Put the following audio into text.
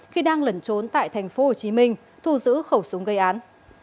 khi đang lẩn trốn tại thành phố hồ chí minh thu giữ khẩu súng gây án